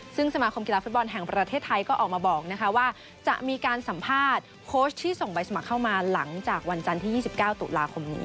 ซึ่งสมาคมกีฬาฟุตบอลแห่งประเทศไทยก็ออกมาบอกว่าจะมีการสัมภาษณ์โค้ชที่ส่งใบสมัครเข้ามาหลังจากวันจันทร์ที่๒๙ตุลาคมนี้